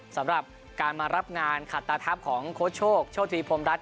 สำหรับการมารับงานขัดตาทัพของโค้ชโชคโชคดีพรมรัฐ